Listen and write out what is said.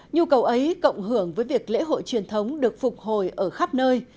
nhu cầu ấy cộng hưởng với việc lễ hội truyền thống được phục hồi ở khắp nơi